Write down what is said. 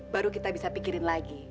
baru kita bisa pikirin lagi